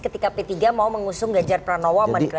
ketika p tiga mau mengusung ganjar pranowo